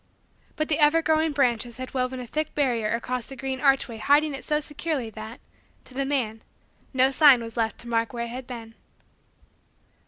But the ever growing branches had woven a thick barrier across the green archway hiding it so securely that, to the man, no sign was left to mark where it had been.